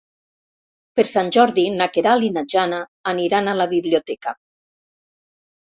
Per Sant Jordi na Queralt i na Jana aniran a la biblioteca.